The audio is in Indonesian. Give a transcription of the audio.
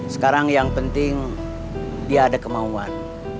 sekarang yang penting dia ada kemauan